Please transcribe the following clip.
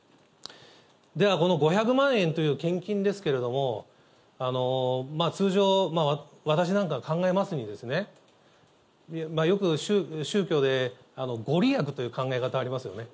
では、この５００万円という献金ですけれども、通常、私なんかが考えますに、よく宗教でご利益という考え方、ありますよね。